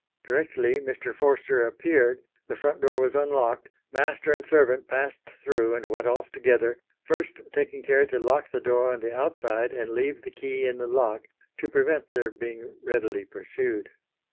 Directly Mr. Forster appeared, the front door was unlocked, master and servant passed through and went off together, first taking care to lock the door on the outside and leave the key in the lock to prevent their being readily pursued.